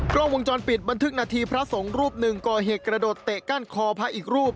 กล้องวงจรปิดบันทึกนาทีพระสงฆ์รูปหนึ่งก่อเหตุกระโดดเตะก้านคอพระอีกรูป